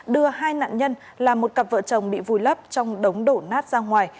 đưa hai nạn nhân là một cặp vợ chồng bị vùi lấp trong đống đổ nát ra ngoài